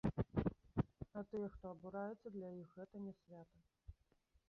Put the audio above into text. А тыя, хто абураецца, для іх гэта не свята.